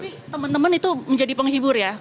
tapi teman teman itu menjadi penghibur ya